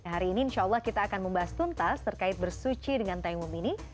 hari ini insya allah kita akan membahas tuntas terkait bersuci dengan taimum ini